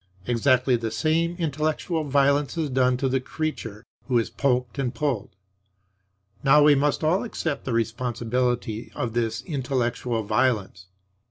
Exactly the same intellectual violence is done to the creature who is poked and pulled. Now we must all accept the responsibility of this intellectual violence.